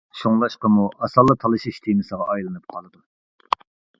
شۇڭلاشقىمۇ، ئاسانلا تالىشىش تېمىسىغا ئايلىنىپ قالىدۇ.